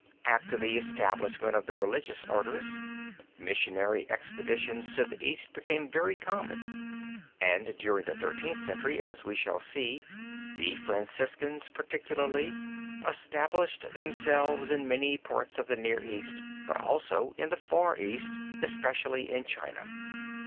After the establishment of the religious orders, missionary expeditions to the East became very common and during the Thirteenth Century, as we shall see, the Franciscans particularly, established themselves in many parts of the Near East, but also of the Far East, especially in China.